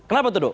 kenapa tuh dut